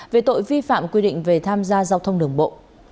về tội vi phạm quy định về tham gia giao thông đường bộ